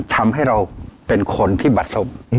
ทำให้เราเป็นคนที่บัดศพ